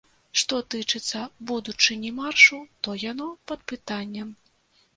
Што тычыцца будучыні маршу, то яно пад пытаннем.